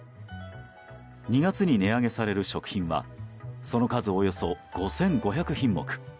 ２月に値上げされる食品はその数およそ５５００品目。